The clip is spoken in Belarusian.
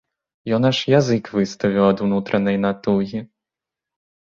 Ён аж язык выставіў ад унутранай натугі.